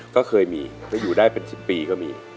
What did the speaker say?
ก็เคยมีแต่อยู่ได้เป็น๑๐ปีก็มี